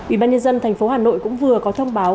ủy ban nhân dân thành phố hà nội cũng vừa có thông báo